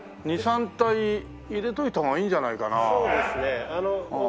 ２３体入れといた方がいいんじゃないかな？